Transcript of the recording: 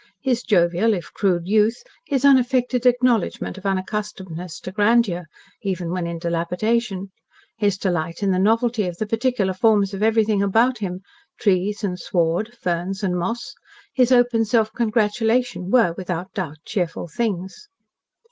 His jovial, if crude youth, his unaffected acknowledgment of unaccustomedness to grandeur, even when in dilapidation, his delight in the novelty of the particular forms of everything about him trees and sward, ferns and moss, his open self congratulation, were without doubt cheerful things.